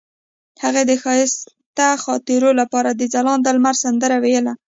هغې د ښایسته خاطرو لپاره د ځلانده لمر سندره ویله.